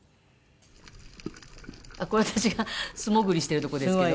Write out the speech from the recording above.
これ私が素潜りしてるとこですけど。